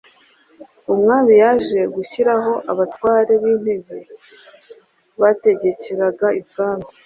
Umwami yaje gushyiraho abatware b'Intebe bategekeraga i Bwami